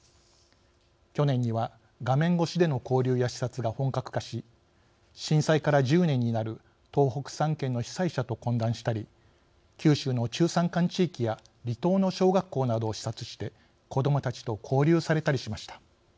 去年には、画面ごしでの交流や視察が本格化し震災から１０年になる東北３県の被災者と懇談したり九州の中山間地域や離島の小学校などを視察して子どもたちと交流されたりしました。